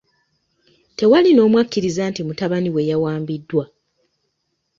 Tewali n'omu akkiriza nti mutabani we yawambiddwa.